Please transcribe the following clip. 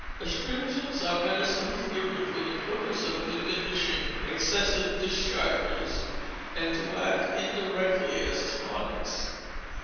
Astringents are medicines given for the purpose of diminishing excessive discharges, and to act indirectly as tonics.